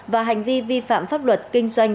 và hành vi vi phạm pháp luật kinh doanh